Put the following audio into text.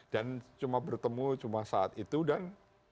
dan cuma bertemu cuma saat itu dan